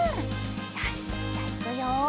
よしじゃいくよ！